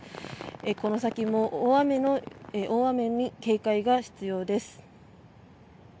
この先も大雨に警戒が必要です。